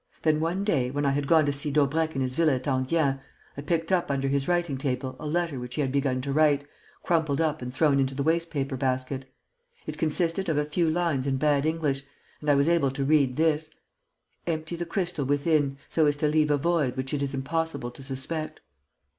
Then, one day, when I had gone to see Daubrecq in his villa at Enghien, I picked up under his writing table a letter which he had begun to write, crumpled up and thrown into the waste paper basket. It consisted of a few lines in bad English; and I was able to read this: 'Empty the crystal within, so as to leave a void which it is impossible to suspect.